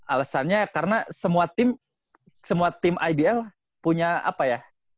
alasannya karena semua tim semua tim ibl punya apa ya